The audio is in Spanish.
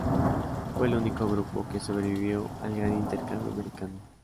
Fue el único grupo que sobrevivió al gran intercambio americano.